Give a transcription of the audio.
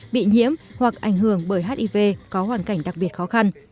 bị nhiễm hoặc ảnh hưởng bởi hiv có hoàn cảnh đặc biệt khó khăn